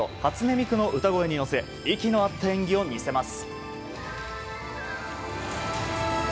ミクの歌声に乗せ息の合った演技を見せます。